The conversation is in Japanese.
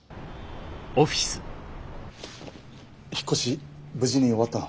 引っ越し無事に終わったの？